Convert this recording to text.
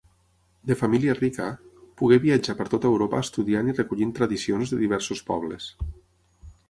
De família rica, pogué viatjar per tota Europa estudiant i recollint tradicions de diversos pobles.